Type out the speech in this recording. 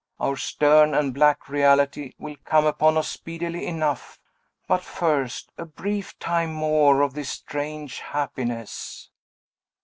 Our stern and black reality will come upon us speedily enough. But, first, a brief time more of this strange happiness."